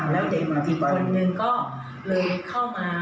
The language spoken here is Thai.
แล้วเด็กอีกคนนึงก็เลยเข้ามา